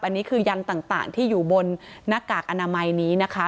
อันนี้คือยันต่างที่อยู่บนหน้ากากอนามัยนี้นะคะ